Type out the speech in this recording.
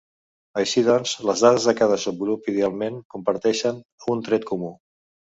Així doncs, les dades de cada subgrup idealment comparteixen un tret comú.